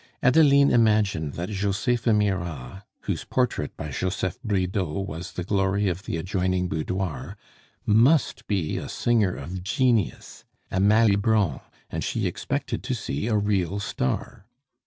Adeline imagined that Josepha Mirah whose portrait by Joseph Bridau was the glory of the adjoining boudoir must be a singer of genius, a Malibran, and she expected to see a real star.